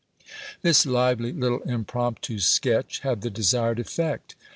This lively little impromptu sketch had the desired effect.